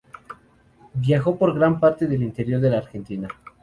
Viajó por gran parte del interior de la Argentina.